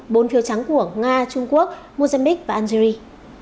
bốn phiếu trắng của nga trung quốc mozamic và algeria